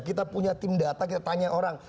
kita punya tim data kita tanya orang